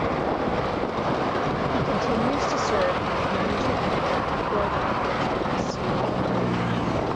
He continues to serve as the Managing Editor of Dordt College Press.